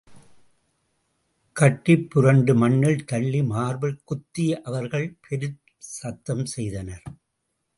கட்டிப்புரண்டு மண்ணில் தள்ளி மார்பில் குத்தி அவர்கள் பெரும்சத்தம் செய்தனர்.